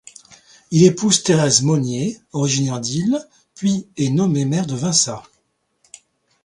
Il épouse Thérèse Monyer, originaire d'Ille, puis est nommé maire de Vinça.